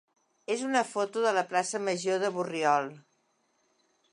és una foto de la plaça major de Borriol.